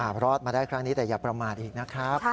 รอดมาได้ครั้งนี้แต่อย่าประมาทอีกนะครับ